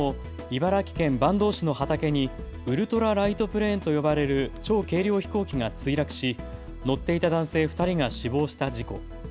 茨城県坂東市の畑にウルトラライトプレーンと呼ばれる超軽量飛行機が墜落し乗っていた男性２人が死亡した事故。